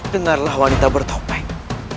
dengarlah wanita bertopeng